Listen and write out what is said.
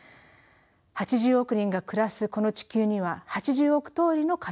８０億人が暮らすこの地球には８０億通りの可能性があります。